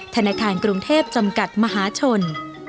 ธนาคารกรุงเทพจำกัดมหาชน